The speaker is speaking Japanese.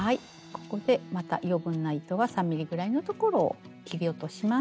ここでまた余分な糸は３ｍｍぐらいのところを切り落とします。